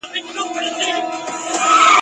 که لوڅ مخي سولې حوري د کابل او بدخشان ..